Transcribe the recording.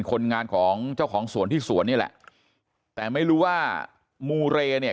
คนงานของเจ้าของสวนที่สวนนี่แหละแต่ไม่รู้ว่ามูเรเนี่ย